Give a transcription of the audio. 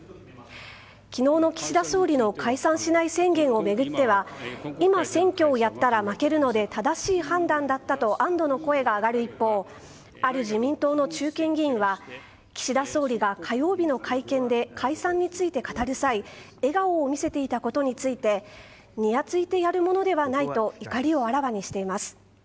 昨日の岸田総理の解散しない宣言を巡っては今選挙をやったら負けるので正しい判断だったと安堵の声が上がる一方ある自民党の中堅議員は岸田総理が火曜日の会見で解散について語る際笑顔を見せていたことについてにやついてやるものではないと怒りをあらわにしています。